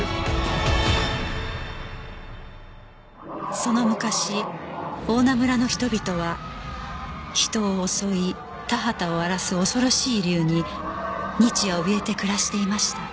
その昔大菜村の人々は人を襲い田畑を荒らす恐ろしい竜に日夜おびえて暮らしていました